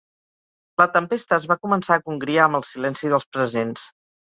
La tempesta es va començar a congriar amb el silenci dels presents.